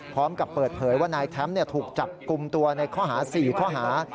พร้อมกับเปิดเผยว่านายแท้มถูกจับกลุ่มตัวในข้อหา๔ข้อหา